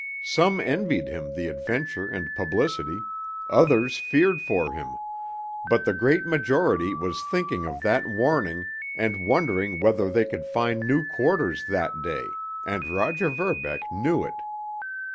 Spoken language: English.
Some envied him the adventure and publicity, others feared for him, but the great majority was thinking of that warning and wondering whether they could find new quarters that day, and Roger Verbeck knew it.